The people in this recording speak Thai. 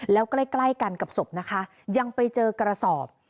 แล้วใกล้ใกล้กันกับศพนะคะยังไปเจอกระสอบ